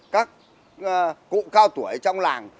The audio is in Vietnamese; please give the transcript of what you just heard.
các cụ cao tuổi trong làng